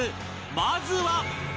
まずは